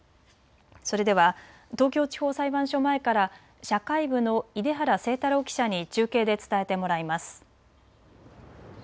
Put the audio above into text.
それでは東京地方裁判所前から社会部の出原誠太郎記者に中継で伝えてもらいます。